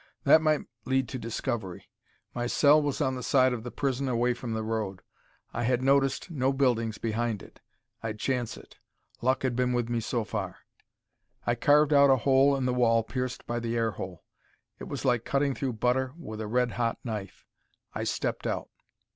That might lead to discovery. My cell was on the side of the prison away from the road; I had noticed no buildings behind it: I'd chance it. Luck had been with me so far. I carved out a hole in the wall pierced by the air hole. It was like cutting through butter with a red hot knife. I stepped out.